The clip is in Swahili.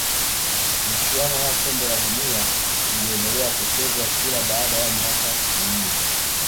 michuano ya kombe la dunia iliendelea kuchezwa kila baada ya miaka minne